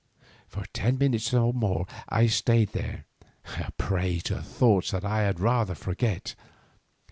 For ten minutes or more I stayed there, a prey to thoughts that I had rather forget.